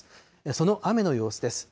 その雨の様子です。